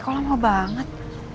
kau lah mau banget